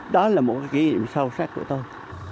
đó là một kỷ niệm sâu sắc của tôi